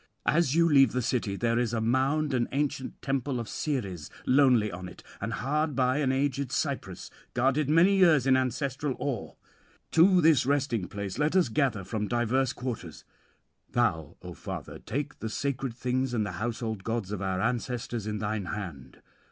As you leave the city there is a mound and ancient temple of Ceres lonely on it, and hard by an aged cypress, guarded many years in ancestral awe: to this resting place let us gather from diverse quarters. Thou, O father, take the sacred things and the household gods of our ancestors in thine hand.